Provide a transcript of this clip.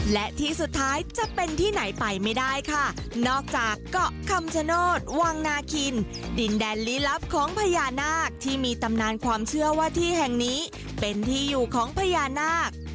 และที่สุดท้ายจะเป็นที่ไหนไปไม่ได้ค่ะนอกจากเกาะคำชโนธวังนาคินดินแดนลี้ลับของพญานาคที่มีตำนานความเชื่อว่าที่แห่งนี้เป็นที่อยู่ของพญานาค